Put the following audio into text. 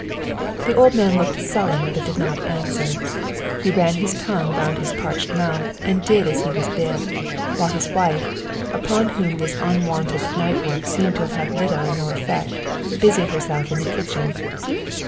The old man looked sullen but did not answer. He ran his tongue round his parched mouth and did as he was bid, while his wife, upon whom this unwonted night work seemed to have little or no effect, busied herself in the kitchen.